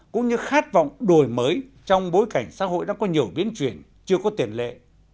cũng như khát vọng đổi mới trong bối cảnh xã hội đã có nhiều biến chuyển chưa có tiền lệ